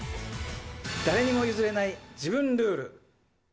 誰にも譲れない自分ルール。